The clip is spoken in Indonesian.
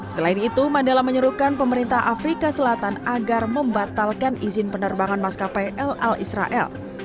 selain itu mandala menyuruhkan pemerintah afrika selatan agar membatalkan izin penerbangan maskapai l al israel